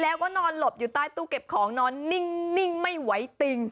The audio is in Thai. แล้วก็นอนหลบอยู่ใต้ตู้เก็บของนอนนิ่งไม่ไหวติง